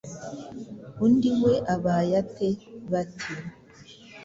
undi we abaye ate ? Bati «